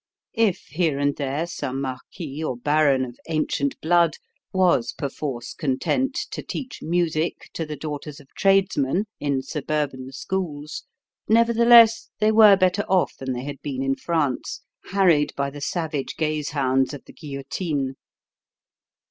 If here and there some marquis or baron of ancient blood was perforce content to teach music to the daughters of tradesmen in suburban schools, nevertheless they were better off than they had been in France, harried by the savage gaze hounds of the guillotine.